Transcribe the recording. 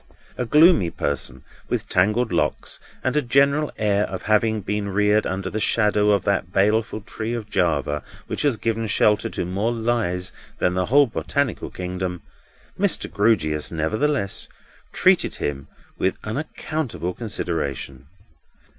A gloomy person with tangled locks, and a general air of having been reared under the shadow of that baleful tree of Java which has given shelter to more lies than the whole botanical kingdom, Mr. Grewgious, nevertheless, treated him with unaccountable consideration.